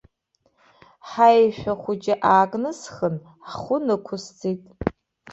Ҳаишәа хәыҷы аакнысхын, ҳхәы нықәысҵеит.